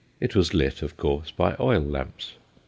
It was lit, of course, by oil lamps.